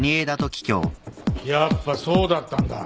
やっぱそうだったんだ。